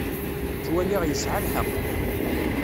Ttwaliɣ yesɛa lḥeqq.